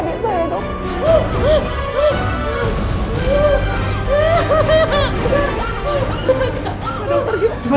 umiut jantung bayi pada antuman